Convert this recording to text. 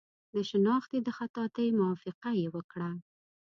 د شنختې د خطاطۍ موافقه یې وکړه.